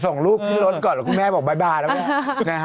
ส่งลูกขึ้นรถก่อนแล้วคุณแม่บอกบ๊าแล้วแม่นะฮะ